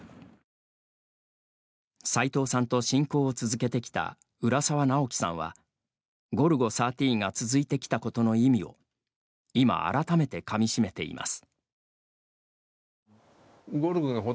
さいとうさんと親交を続けてきた浦沢直樹さんは「ゴルゴ１３」が続いてきたことの意味を今、改めてかみしめています。